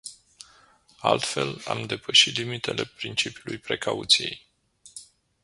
Altfel, am depăși limitele principiului precauției.